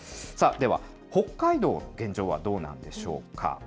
では、北海道の現状はどうなんでしょうか。